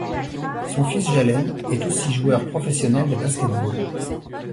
Son fils Jalen est aussi joueur professionnel de basket-ball.